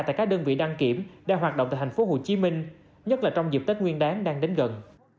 tại các đơn vị đăng kiểm đang hoạt động tại tp hcm nhất là trong dịp tết nguyên đáng đang đến gần